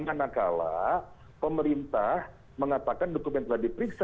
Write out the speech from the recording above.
manakala pemerintah mengatakan dokumen telah diperiksa